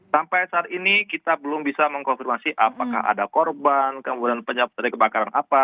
sampai saat ini kita belum bisa mengkonfirmasi apakah ada korban kemudian penyebab dari kebakaran apa